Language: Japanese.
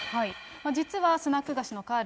実はスナック菓子のカール。